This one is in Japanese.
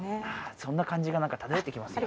そんな感じが何か漂ってきますよ